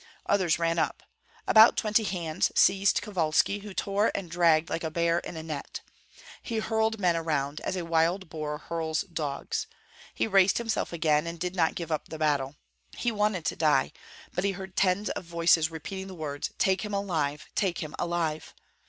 Others ran up. About twenty hands seized Kovalski, who tore and dragged like a bear in a net; he hurled men around, as a wild boar hurls dogs; he raised himself again and did not give up the battle. He wanted to die, but he heard tens of voices repeating the words, "Take him alive! take him alive!"